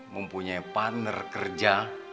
mempunyai partner kerja